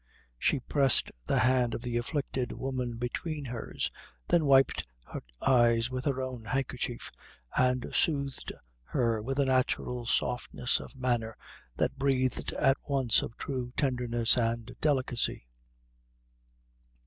She pressed the hand of the afflicted woman between hers, then wiped her eyes with her own handkerchief, and soothed her with a natural softness of manner that breathed at once of true tenderness and delicacy.